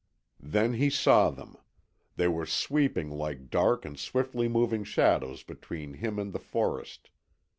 Then he saw them. They were sweeping like dark and swiftly moving shadows between him and the forest.